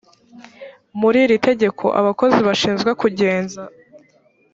muri iri tegeko abakozi bashinzwe kugenza